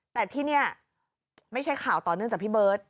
แต่ที่นี่ไม่ใช่ข่าวต่อเนื่องจากพี่เบิร์ต